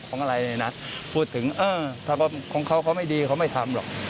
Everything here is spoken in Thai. ของอะไรนะพูดถึงถ้าของเขาไม่ดีเขาไม่ทำหรอก